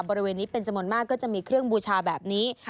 บริเวณนี้เป็นจำนวนมากก็จะมีเครื่องบูชาแบบนี้